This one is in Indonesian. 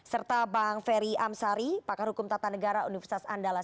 serta bang ferry amsari pakar hukum tata negara universitas andalas